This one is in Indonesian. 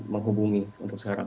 menghubungi untuk sekarang